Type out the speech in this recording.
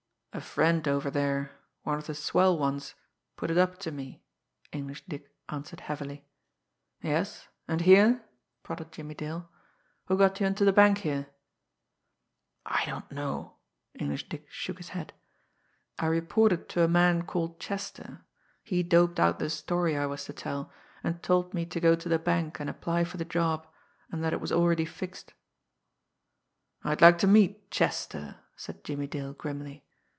"A friend over there, one of the 'swell ones,' put it up to me," English Dick answered heavily. "Yes and here?" prodded Jimmie Dale. "Who got you into the bank here?" "I don't know." English Dick shook his head. "I reported to a man called Chester. He doped out the story I was to tell, and told me to go to the bank and apply for the job, and that it was already fixed." "I'd like to meet 'Chester,'" said Jimmie Dale grimly.